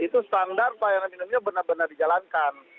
itu standar pelayanan minimum nya benar benar dijalankan